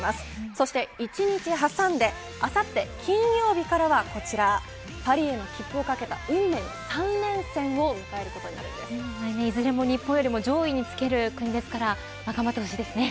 そして１日挟んであさって金曜日からはこちら、パリへの切符をかけた運命の３連戦をいずれも日本より上位につける国ですから頑張ってほしいですね。